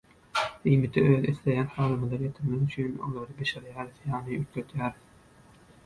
Iýmiti öz isleýän halymyza getirmek üçin olary bişirýäris ýagny üýtgedýäris